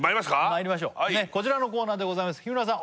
まいりましょうねっこちらのコーナーでございます日村さん